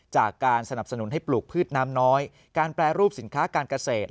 จากการสนับสนุนให้ปลูกพืชน้ำน้อยการแปรรูปสินค้าการเกษตร